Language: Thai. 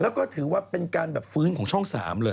แล้วก็ถือว่าเป็นการแบบฟื้นของช่อง๓เลย